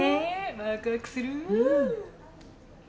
わくわくする。